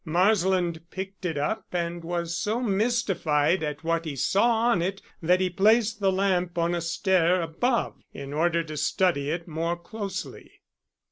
Marsland picked it up and was so mystified at what he saw on it that he placed the lamp on a stair above in order to study it more closely.